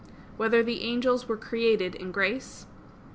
3] Whether the Angels Were Created in Grace?